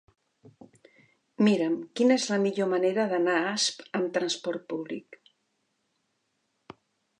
Mira'm quina és la millor manera d'anar a Asp amb transport públic.